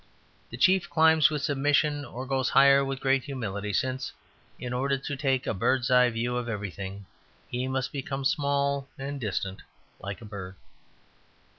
The chief climbs with submission and goes higher with great humility; since in order to take a bird's eye view of everything, he must become small and distant like a bird.